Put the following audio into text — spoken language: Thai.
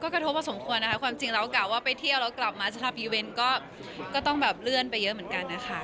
กระทบมาสมควรนะคะความจริงแล้วกะว่าไปเที่ยวแล้วกลับมาจะทำอีเวนต์ก็ต้องแบบเลื่อนไปเยอะเหมือนกันนะคะ